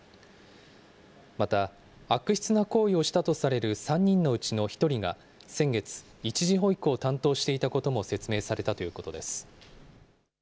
また、悪質な行為をしたとされる３人のうちの１人が、先月、一時保育を担当していたことも説明されたということです。